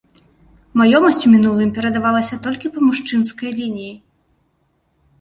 Маёмасць у мінулым перадавалася толькі па мужчынскай лініі.